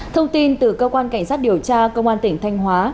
thông tin từ cơ quan cảnh sát điều tra công an tỉnh thanh hóa